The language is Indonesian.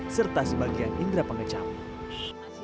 serta sebagian indera pengecewa